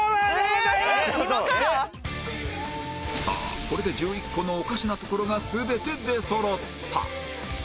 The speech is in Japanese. さあこれで１１個のおかしなところが全て出揃った